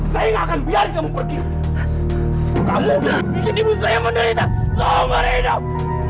saya enggak akan biarkan kamu pergi kamu bikin saya menderita seumur hidup